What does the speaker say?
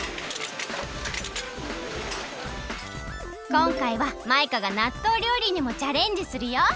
こんかいはマイカがなっとう料理にもチャレンジするよ！